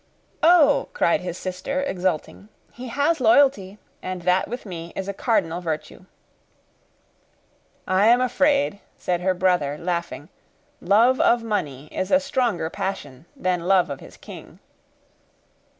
"Oh!" cried his sister, exulting, "he has loyalty, and that with me is a cardinal virtue." "I am afraid," said her brother, laughing, "love of money is a stronger passion than love of his king."